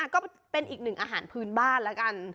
ก็เป็นอีกหนึ่งอาหารพื้นบ้านแล้วกัน